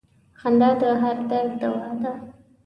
• خندا د هر درد دوا ده.